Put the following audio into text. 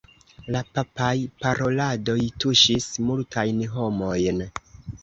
La papaj paroladoj tuŝis multajn homojn.